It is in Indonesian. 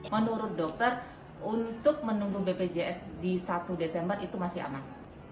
menurut dokter untuk menunggu bpjs di satu desember itu masih aman